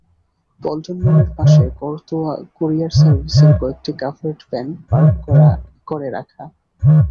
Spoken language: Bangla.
পল্টন মোড়ের পাশে করতোয়া কুরিয়ার সার্ভিসের কয়েকটি কাভার্ড ভ্যান পার্ক করে রাখা।